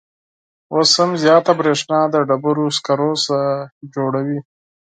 اوس هم زیاته بریښنا د ډبروسکرو څخه تولیدوي